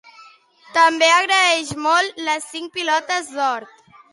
També agraeix molt les cinc Pilotes d'Or.